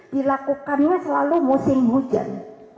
dilakukannya selalu musim hujan